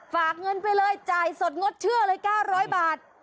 ฝากเงินไปเลยจ่ายสดงดเชื่อเลย๙๐๐บาท